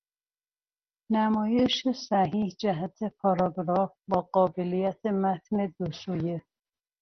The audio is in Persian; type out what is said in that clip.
نمایش صحیح جهت پاراگراف با قابلیت متن دوسویه